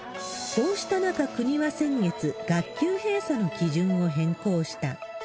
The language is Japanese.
こうした中、国は先月、学級閉鎖の基準を変更した。